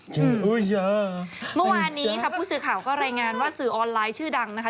อ๋อจริงอุ๊ยยาวอันนี้ค่ะผู้สื่อข่าวก็แรงงานว่าสื่อออนไลน์ชื่อดังนะคะ